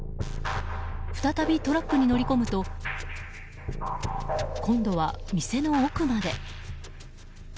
再びトラックに乗り込むと今度は、店の奥まで。